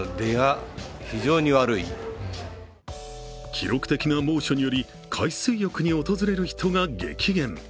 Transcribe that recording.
記録的な猛暑により、海水浴に訪れる人が激減。